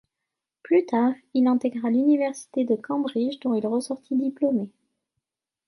Plus tard, il intégra l'université de Cambridge dont il ressorti diplômé.